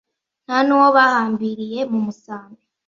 Nta n'uwo bahambiriye mu musambi